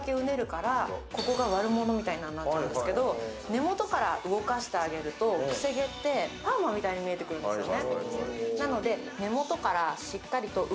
根元から動かしてあげると癖毛ってパーマみたいに見えてくるんですね。